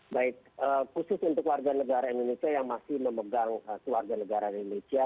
baik khusus untuk warga negara indonesia yang masih memegang keluarga negara indonesia